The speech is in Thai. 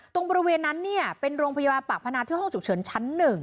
บริเวณนั้นเป็นโรงพยาบาลปากพนาที่ห้องฉุกเฉินชั้น๑